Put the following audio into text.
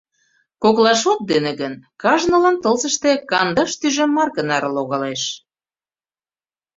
— Кокла шот дене гын, кажнылан тылзыште кандаш тӱжем марке наре логалеш.